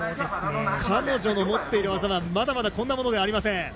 彼女の持っている技はまだまだこんなものではありません。